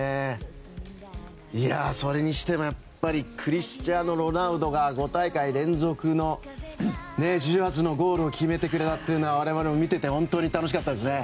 それにしてもクリスティアーノ・ロナウドが５大会連続ゴールを決めてくれたというのは我々も見てて本当に楽しかったですね。